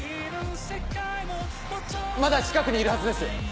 まだ近くにいるはずです。